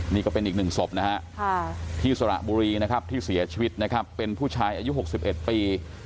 นี่ก็เป็นอีกหนึ่งศพที่สระบุรีที่เสียชีวิตเป็นผู้ชายอายุ๖๑ปี